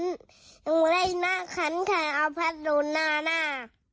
ยังไม่ได้หน้าคันคันเอาผ้าโดนหน้าหน้า